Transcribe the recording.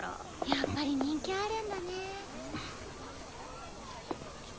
やっぱり人気あるんだね。